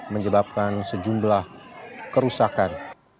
menyebabkan sejumlah kerusakan